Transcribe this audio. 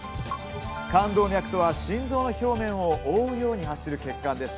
冠動脈とは心臓の表面を覆うように走る血管です。